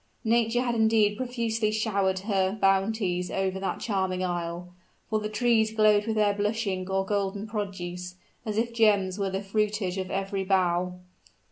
Nature had indeed profusely showered her bounties over that charming isle; for the trees glowed with their blushing or golden produce, as if gems were the fruitage of every bough.